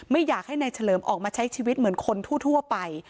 ไม่อยากให้นายเฉลิมออกมาใช้ชีวิตเหมือนคนทั่วไป